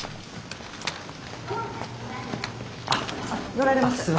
乗られます？